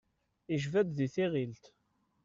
Ijba-d di tiɣilt.